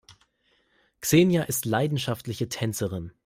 Xenia ist leidenschaftliche Tänzerin.